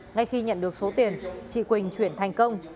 ngay khi nhận được số tiền chị quỳnh chuyển thành công